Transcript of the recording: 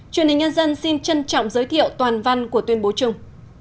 truyền hình nhân dân xin trân trọng giới thiệu toàn văn của tuyên bố chung